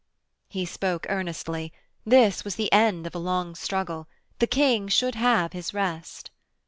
He spoke earnestly: This was the end of a long struggle. The King should have his rest.